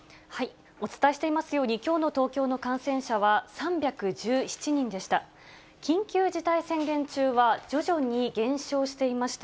お伝えしていますように、きょうの東京の感染者は３１７人でした。